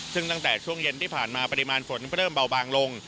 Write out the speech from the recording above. ซึ่งตั้งแต่ช่วงเย็นที่ผ่านมาปริมาณฝนเริ่มเบาบางลง